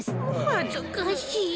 はずかしい。